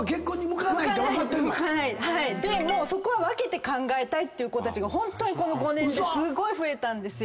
そこは分けて考えたいっていう子たちがこの５年ですごい増えたんですよ。